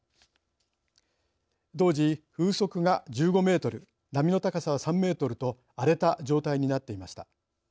当時風速が１５メートル波の高さは３メートルと荒れた状態になっていました。